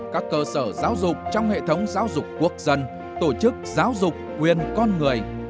các cơ sở giáo dục trong hệ thống giáo dục quốc dân tổ chức giáo dục quyền con người